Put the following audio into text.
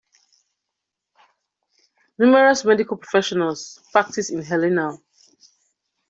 Numerous medical professionals practice in Helena.